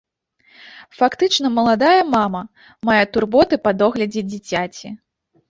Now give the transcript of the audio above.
Фактычна маладая мама, мае турботы па доглядзе дзіцяці.